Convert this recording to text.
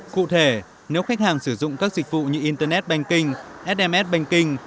cụ thể nếu khách hàng sử dụng các dịch vụ như internet banking sms banking